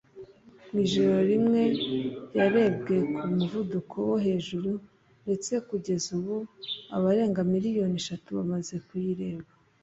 Mu ijoro rimwe yarebwe ku muvuduko wo hejuru ndetse kugeza ubu abarenga miliyoni eshatu bamaze kuyireba